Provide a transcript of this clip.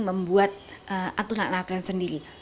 membuat aturan aturan sendiri